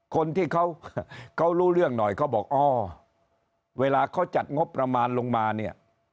คนที่เขารู้เรื่องหน่อยเขาบอกอ๋อเวลาเขาจัดงบประมาณลงมาเนี่ย